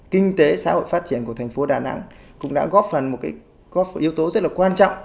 kinh tế xã hội phát triển của thành phố đà nẵng cũng đã góp phần một yếu tố rất là quan trọng